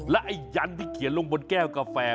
นี่ยันต์ที่เขียนจนบนแก้วกาแฟ